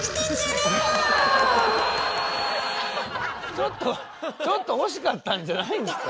ちょっとちょっと惜しかったんじゃないんですか